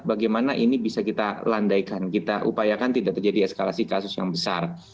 bagaimana ini bisa kita landaikan kita upayakan tidak terjadi eskalasi kasus yang besar